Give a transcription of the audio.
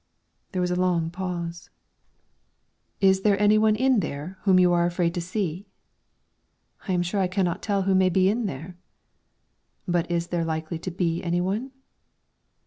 There was a long pause. "Is there any one in there whom you are afraid to see?" "I am sure I cannot tell who may be in there." "But is there likely to be any one?"